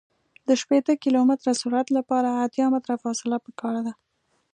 د شپیته کیلومتره سرعت لپاره اتیا متره فاصله پکار ده